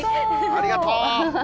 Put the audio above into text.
ありがとう。